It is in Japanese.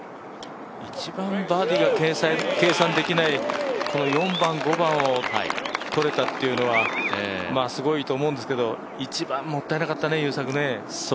一番バーディーが計算できない４番、５番をとれたというのはすごいと思うんですけど、１番、もったいなかったね。